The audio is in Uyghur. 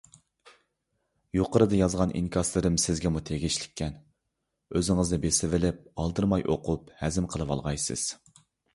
يۇقىرىدا يازغان ئىنكاسلىرىم سىزگىمۇ تېگىشلىككەن. ئۆزىڭىزنى بېسىۋېلىپ ئالدىرماي ئوقۇپ ھەزىم قىلىۋالغايسىز.